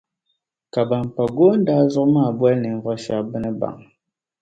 Ka ban pa goondaa zuɣu maa boli ninvuɣu shεba bɛ ni baŋ.